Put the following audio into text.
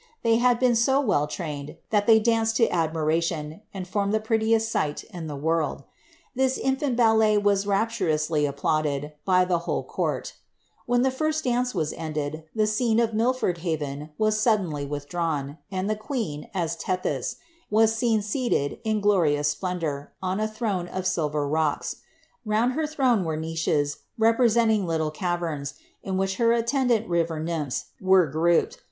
They had been so well trained, that they danced to admiration, and formed the prettiest sight in the world. This infant ballet was rapturously applauded by the whole court When the first dance was ended, the scene of Milford Haven was suddenly withdrawn, and the queen, as Tethys, was seen seated, in glorious splendour, on a throne of silver rocks ; round her throne were niches, representing little caverns, in which her attendant river nymphs were grouped.